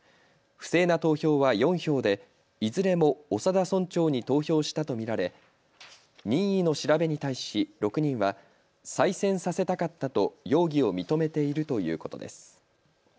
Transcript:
不正な投票は４票でいずれも長田村長に投票したと見られ任意の調べに対し６人は再選させたかったと容疑を認めているということです。